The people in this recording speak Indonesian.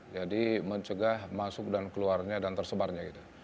jadi mencegah masuk dan keluarnya dan tersebarnya